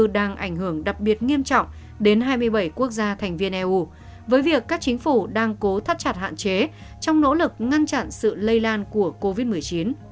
đang ảnh hưởng đặc biệt nghiêm trọng đến hai mươi bảy quốc gia thành viên eu với việc các chính phủ đang cố thắt chặt hạn chế trong nỗ lực ngăn chặn sự lây lan của covid một mươi chín